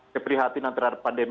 keprihatinan terhadap pandemi